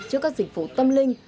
trước các dịch vụ tâm linh